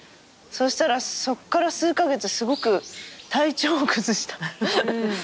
そしたらそっから数カ月すごく体調を崩した。